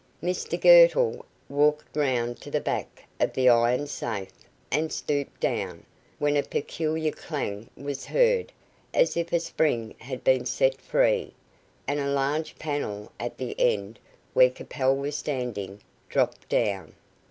Mr Girtle walked round to the back of the iron safe and stooped down, when a peculiar clang was heard, as if a spring had been set free, and a large panel at the end where Capel was standing, dropped down.